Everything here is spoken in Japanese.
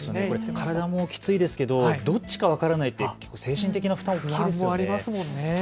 体もきついですけどどっちか分からないという精神的な負担もありますね。